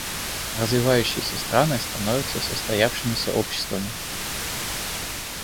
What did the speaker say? Развивающиеся страны становятся состоявшимися обществами.